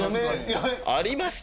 ありましたか？